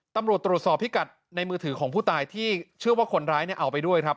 ตำรวจตรวจสอบพิกัดในมือถือของผู้ตายที่เชื่อว่าคนร้ายเนี่ยเอาไปด้วยครับ